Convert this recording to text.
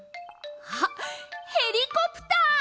あっヘリコプター！